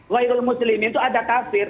walau muslim itu ada kafir